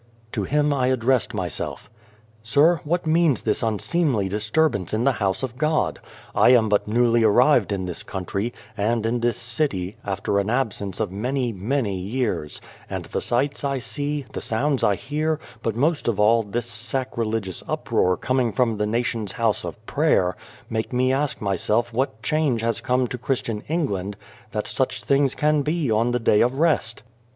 To him I addressed myself :" Sir, what means this unseemly disturbance in the House of God? I am but newly arrived in this country, and in this city, after an absence of many, many years ; and the sights I see, the sounds I hear, but most of all this sacri legious uproar coming from the nation's house of prayer, make me ask myself what change has come to Christian England that such things can be on the day of rest."